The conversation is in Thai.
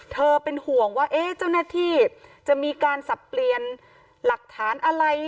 เป็นห่วงว่าเจ้าหน้าที่จะมีการสับเปลี่ยนหลักฐานอะไร